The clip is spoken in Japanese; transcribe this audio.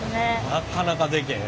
なかなかでけへん。